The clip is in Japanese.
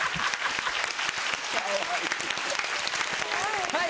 かわいい。